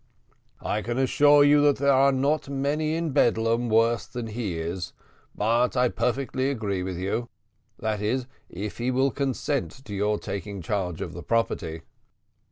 "I can assure you that there are not many in Bedlam worse than he is; but I perfectly agree with you; that is, if he will consent to your taking charge of the property."